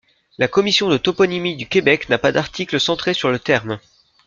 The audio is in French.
La Commission de toponymie du Québec n'a pas d'article centré sur le terme.